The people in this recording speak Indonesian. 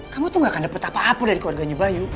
kamu tuh gak akan dapat apa apa dari keluarganya bayu